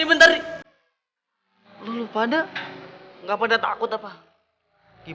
sekarang gue buka pintunya nih